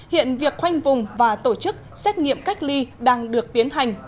hiện việc khoanh vùng và tổ chức xét nghiệm cách ly đang được tiến hành